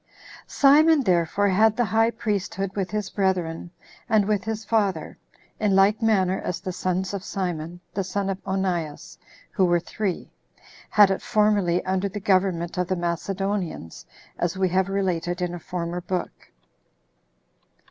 Simon, therefore, had the [high] priesthood with his brethren, and with his father, in like manner as the sons of Simon, the son of Onias, who were three, had it formerly under the government of the Macedonians, as we have related in a former book.